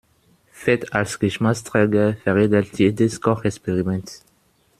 Fett als Geschmacksträger veredelt jedes Kochexperiment.